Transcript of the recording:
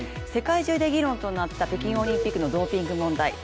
世界中で議論となった北京オリンピックのドーピング問題